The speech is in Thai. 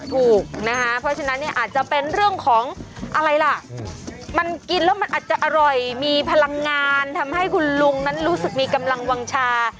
ถูกนะคะเพราะฉะนั้นเนี่ยอาจจะเป็นเรื่องของอะไรล่ะมันกินแล้วมันอาจจะอร่อยมีพลังงานทำให้คุณลุงนั้นรู้สึกมีกำลังวางชา